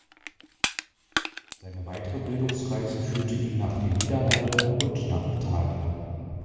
Seine weitere Bildungsreise führte in nach den Niederlande und nach Italien.